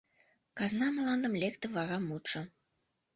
Казна мландым, — лекте вара мутшо.